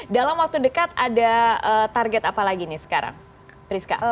dalam waktu dekat ada target apa lagi nih sekarang priska